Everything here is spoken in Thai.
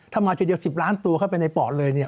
ถ้ามันอาจจะเดียว๑๐ล้านตัวเข้าไปในปอดเลย